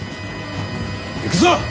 行くぞ！